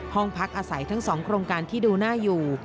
ห้องพักอาศัยทั้ง๒โครงการที่ดูหน้าอยู่